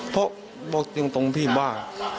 พอบอกจริงตรงพี่พี่บ้า